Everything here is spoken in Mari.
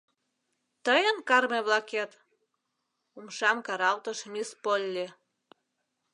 — Тыйын карме-влакет? — умшам каралтыш мисс Полли.